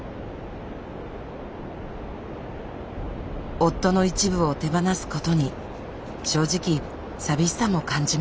夫の一部を手放すことに正直寂しさも感じました。